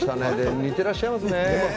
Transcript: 似ていらっしゃいますね。